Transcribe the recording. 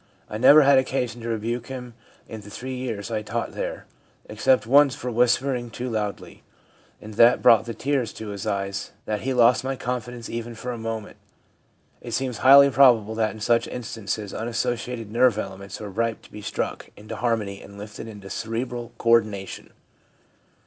I never had occasion to rebuke him in the three years I taught there, except once for whispering too loudly, and that brought the tears to his eyes that he had lost my confidence even for a moment !' It seems highly probable that in such instances unassociated nerve elements are ripe to be struck into harmony and lifted into cerebral co ordination.